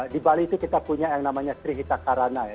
di bali itu kita punya yang namanya srihita karana